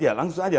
ya langsung aja